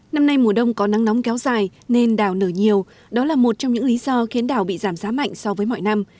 năm nay mùa đông có nắng nóng kéo dài nên đào nở nhiều đó là một trong những lý do khiến đào bị giảm giá mạnh so với mọi năm